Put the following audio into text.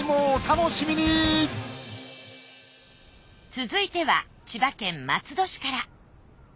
続いては千葉県松戸市から。